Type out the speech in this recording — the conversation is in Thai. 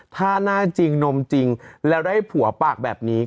ถ้าหน้าจริงนมจริงแล้วได้ผัวปากแบบนี้